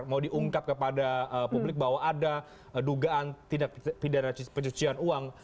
mau diungkap kepada publik bahwa ada dugaan tindak pidana pencucian uang